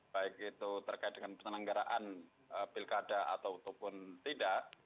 baik itu terkait dengan penyelenggaraan pilkada ataupun tidak